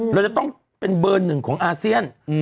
เราจะต้องเป็นเบอร์หนึ่งของอาเซียน